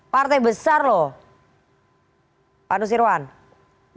partai besar lho